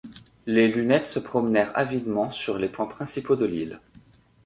Les lunettes se promenèrent avidement sur les points principaux de l’île.